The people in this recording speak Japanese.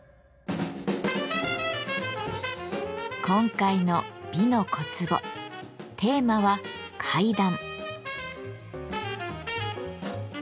今回の「美の小壺」テーマは「階段」。